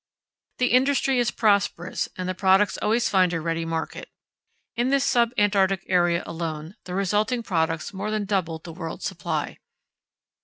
The industry is prosperous, and the products always find a ready market. In this sub Antarctic area alone, the resulting products more than doubled the world's supply.